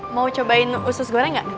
mau cobain usus goreng nggak